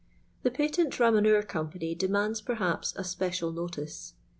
TuE Patent Eamoneur Company demands, perhaps, a special notice.